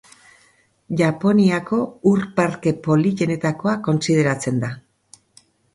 Japoniako ur-parke politenetakoa kontsideratzen da.